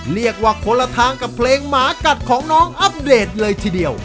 เรียกว่าคนละทางกับเพลงหมากัดของน้องอัปเดตเลยทีเดียว